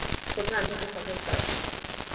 ცოდნა ანთებულ სანთელს ჰგავს